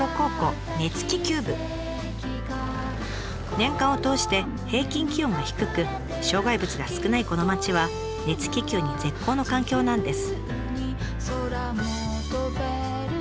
年間を通して平均気温が低く障害物が少ないこの町は熱気球に絶好の環境なんです。